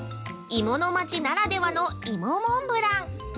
芋の町ならではの芋モンブラン！